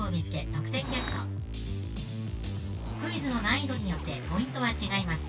「得点ゲット」「クイズの難易度によってポイントは違います」